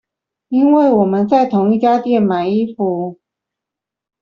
因為我們在同一家店買衣服